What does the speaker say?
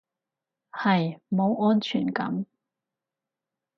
係，冇安全感